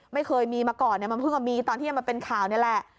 ไม่เคยมีมาก่อนมันเพิ่งมีตอนที่มาเป็นข่าวนี่แหละ